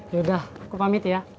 yaudah aku pamit ya